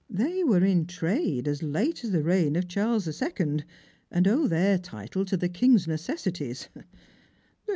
They were in trade as late as the reign of Charles the Second, and owe their title to the King's necessities.